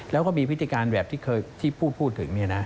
แล้วก็มีพิธีการแบบที่พูดถึง